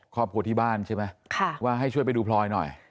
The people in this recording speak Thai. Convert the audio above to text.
ครอบครัวที่บ้านใช่ไหมว่าให้ช่วยไปดูพลอยหน่อย